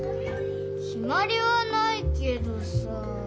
きまりはないけどさ。